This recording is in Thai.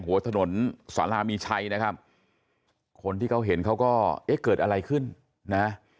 หัวถนนสารามีชัยนะครับคนที่เขาเห็นเขาก็เอ๊ะเกิดอะไรขึ้นนะ